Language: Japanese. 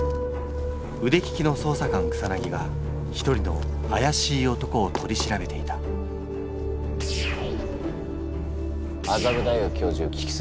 うでききの捜査官草が一人のあやしい男を取り調べていた麻布大学教授菊水